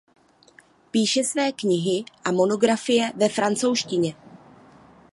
Píše své knihy a monografie ve francouzštině.